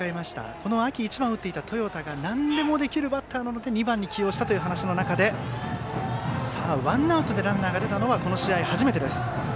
この秋、１番を打っていた豊田がなんでもできるバッターなので２番に起用したという話の中でワンアウトでランナーが出たのはこの試合、初めてです。